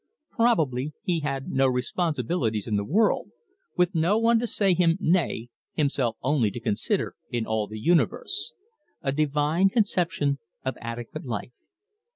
Probably he had no responsibilities in the world, with no one to say him nay, himself only to consider in all the universe: a divine conception of adequate life.